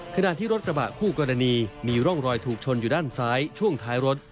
ขณะที่รถกระบะคู่กรณีมีร่องรอยถูกชนอยู่ด้านซ้ายช่วงท้ายรถ